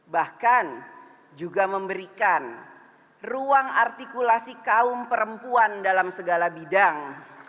bahkan juga memberikan ruang artikulasi kaum perempuan dalam segala bidang